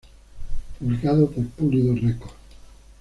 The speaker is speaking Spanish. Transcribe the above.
Publicado por Polydor Records.